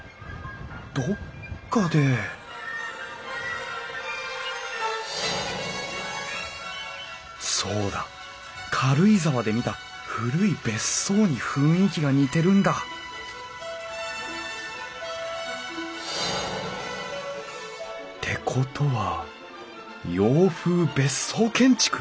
どっかでそうだ軽井沢で見た古い別荘に雰囲気が似てるんだってことは洋風別荘建築？